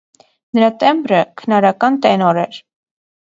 Նրա տեմբրը քնարական տենոր էր։